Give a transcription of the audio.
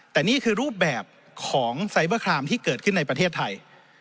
แต่นี่คือรูปแบบของไซเบอร์ครามที่เกิดขึ้นในประเทศไทย